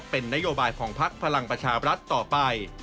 เป็นนโยบายของพักพลังประชาบรัฐต่อไป